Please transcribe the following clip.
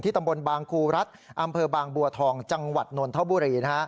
ตำบลบางครูรัฐอำเภอบางบัวทองจังหวัดนนทบุรี